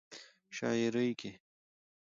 شاعرۍ کې